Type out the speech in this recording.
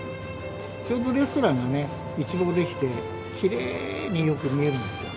ちょうどレストランが一望できて、きれいによく見えるんですよ。